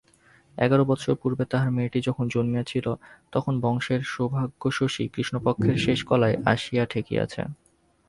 এগারো বৎসর পূর্বে তাঁহার মেয়েটি যখন জন্মিয়াছিল তখন বংশের সৌভাগ্যশশী কৃষ্ণপক্ষের শেষকলায় আসিয়া ঠেকিয়াছে।